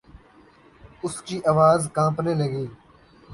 اس کی آواز کانپنے لگی۔